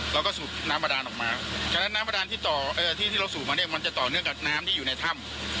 เราก็สูบน้ำประดานออกมาฉะนั้นน้ำประดานที่เราสูบมาเนี่ยมันจะต่อเนื่องกับน้ำที่อยู่ในถ้ำ